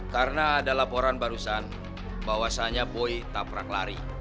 karena ada laporan barusan bahwasanya boy staprak lari